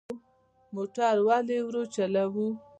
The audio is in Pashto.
موټر ولې ورو چلوو؟